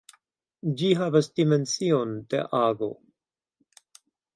Ĝi havas dimension de ago.